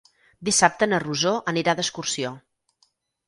Dissabte na Rosó anirà d'excursió.